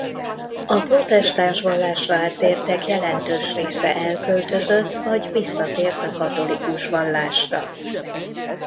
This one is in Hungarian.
A protestáns vallásra áttértek jelentős része elköltözött vagy visszatért a katolikus vallásra.